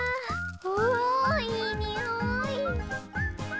おいいにおい！